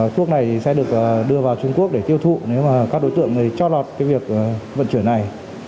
thuốc này sẽ được đưa vào trung quốc để tiêu thụ nếu mà các đối tượng cho lọt cái việc vận chuyển này